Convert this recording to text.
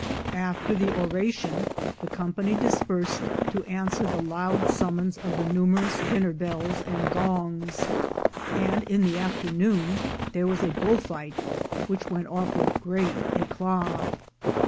After the oration, the company dispersed to answer the loud summons of the numerous dinner bells and gongs, and in the afternoon there was a bull fight, which went off with great eclat.